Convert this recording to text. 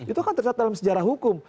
itu akan terserah dalam sejarah hukum